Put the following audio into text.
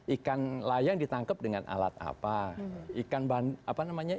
ikan layang ditangkep dengan alat apa